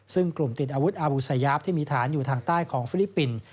ซึ่งกลุ่มติดอาวุธอาวุสยาปที่มีฐานอยู่ทางใต้ของฟิลิปปินส์